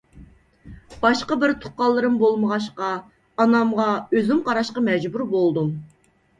باشقا بىر تۇغقانلىرىم بولمىغاچقا، ئانامغا ئۆزۈم قاراشقا مەجبۇر بولدۇم.